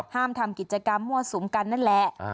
ห้ามทำกิจกรรมมั่วสุมกันนั่นแหละ